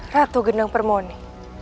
ratu genang permone